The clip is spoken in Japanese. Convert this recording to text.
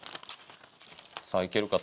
さあいけるか？